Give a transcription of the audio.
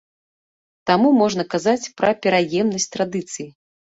Таму можна казаць пра пераемнасць традыцый.